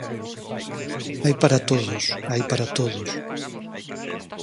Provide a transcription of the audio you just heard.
Hai para todos, hai para todos.